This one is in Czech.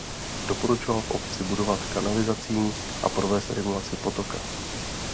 Doporučoval v obci budovat kanalizací a provést regulaci potoka.